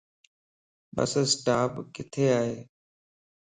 بس اسٽاپ ڪٿي ائي